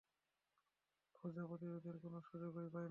খোজাআ প্রতিরোধের কোন সুযোগই পায় না।